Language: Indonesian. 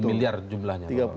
tiga puluh miliar jumlahnya